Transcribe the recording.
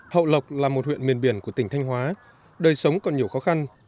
hậu lộc là một huyện miền biển của tỉnh thanh hóa đời sống còn nhiều khó khăn